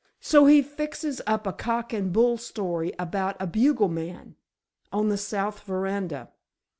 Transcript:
So he fixes up a cock and bull story about a bugler man—on the south veranda.